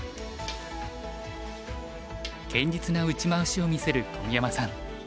堅実な打ち回しを見せる小宮山さん。